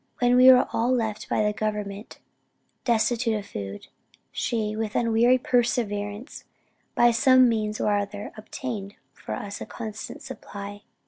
"When we were all left by the government destitute of food, she, with unwearied perseverance by some means or other, obtained for us a constant supply.